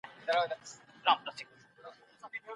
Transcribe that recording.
دوهم بدلون اوږدمهاله انرژي برابروي.